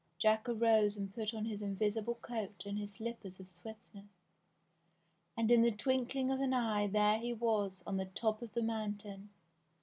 Jack arose and put on his invisible coat and his slippers of swiftness. And in the twinkling of an eye there he was on the top of the moun tain